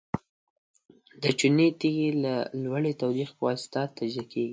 د چونې تیږې د لوړې تودوخې په واسطه تجزیه کیږي.